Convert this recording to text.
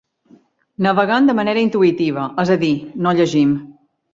Naveguem de manera intuïtiva, és a dir, no «llegim».